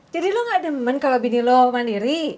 jadi lu gak demen kalo bini lu mandiri